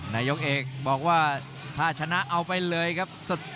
นายกเอกบอกว่าถ้าชนะเอาไปเลยครับสด